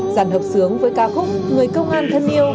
giàn hợp sướng với ca khúc người công an thân yêu